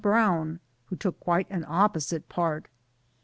Brown, who took quite an opposite part.